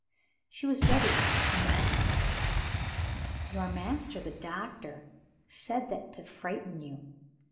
She was ready with her answer. "Your master the Doctor said that to frighten you.